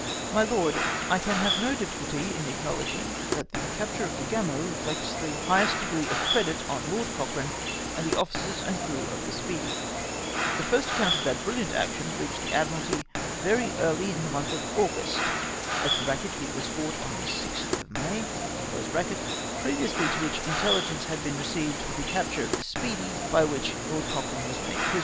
My Lord, — I can have no difficulty in acknowledging that the capture of the Gamo reflects the highest degree of credit on Lord Cochrane and the officers and crew of the "The first account of that brilliant action reached the Admiralty very early in the month of August (it was fought on the 6th of May), previously to which intelligence had been received of the capture of the Speedy, by which Lord Cochrane was made prisoner.